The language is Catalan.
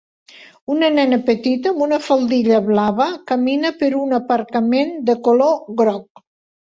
Una nena petita amb una faldilla blava camina per un aparcament de color groc.